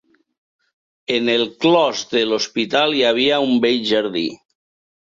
En el clos de l'hospital hi havia un bell jardí